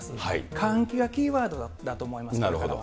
換気がキーワードだと思います、これからは。